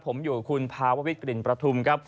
ผมอยู่กับคุณภาววิกลิ่นประทุมครับ